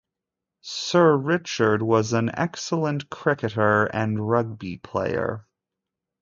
Sir Richard was an excellent cricketer and rugby player.